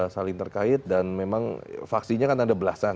saling terkait dan memang faksinya kan ada belasan